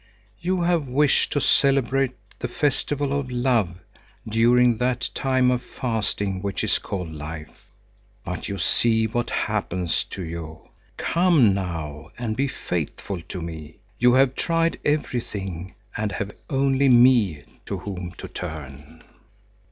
You have wished to celebrate the festival of love during that time of fasting which is called life; but you see what happens to you. Come now and be faithful to me; you have tried everything and have only me to whom to turn."